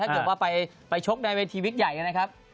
ถ้าเกิดว่าไปชกในเวทีวิกใหญ่นะครับ